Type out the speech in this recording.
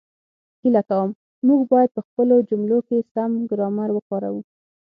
هیله کووم، موږ باید په خپلو جملو کې سم ګرامر وکاروو